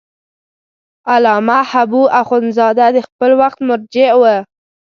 علامه حبو اخند زاده د خپل وخت مرجع و.